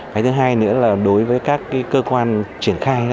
cái thứ hai nữa là đối với các cơ quan triển khai